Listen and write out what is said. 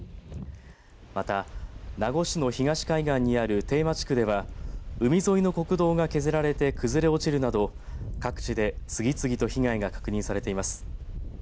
また、名護市の東海岸にある汀間地区では海沿いの国道が削られて崩れ落ちるなど、各地で次々と被害が確認されています。